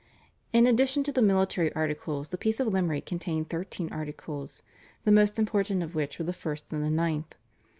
In addition to the military articles the Peace of Limerick contained thirteen articles, the most important of which were the first, and the ninth.